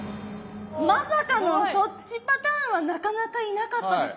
まさかのそっちパターンはなかなかいなかったですね。